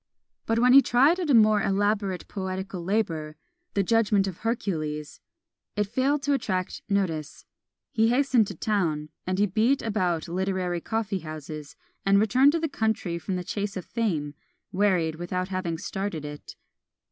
But when he tried at a more elaborate poetical labour, "The Judgment of Hercules," it failed to attract notice. He hastened to town, and he beat about literary coffee houses; and returned to the country from the chase of Fame, wearied without having started it.